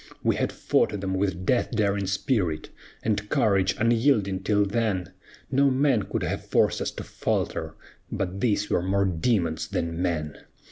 "We had fought them with death daring spirit, And courage unyielding till then; No man could have forced us to falter, But these were more demons than men.